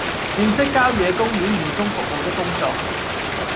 認識郊野公園義工服務的工作